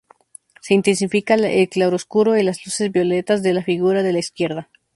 Se intensifica el claroscuro y las luces violentas de la figura de la izquierda.